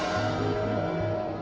kan ga ada very it